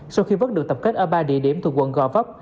sau khi vớt được tập kết ở ba địa điểm thuộc quận gò vấp